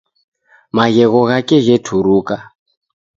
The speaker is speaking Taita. Maghegho ghake gheturuka